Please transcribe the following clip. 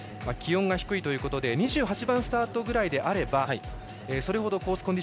気温が低いということで２８番スタートぐらいであればそれほどコース